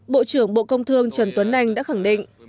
bộ trưởng bộ công thương trần tuấn anh đã khẳng định